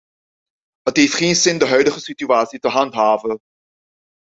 Het heeft geen zin de huidige situatie te handhaven.